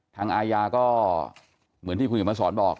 ทางอาญาก็เหมือนที่คุณเห็นมาสอนบอก